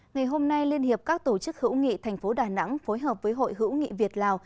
ngày hôm nay liên hiệp các tổ chức hữu nghị thành phố đà nẵng phối hợp với hội hữu nghị việt lào